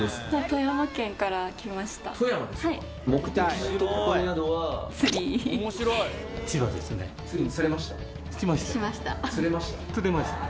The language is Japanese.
富山県から来ました。